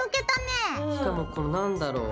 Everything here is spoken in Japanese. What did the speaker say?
しかもこのなんだろう